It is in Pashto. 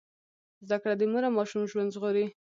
زده کړه د مور او ماشوم ژوند ژغوري۔